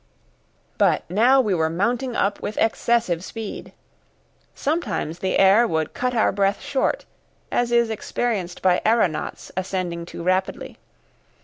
But now we were mounting up with excessive speed. Sometimes the air would cut our breath short, as is experienced by aeronauts ascending too rapidly.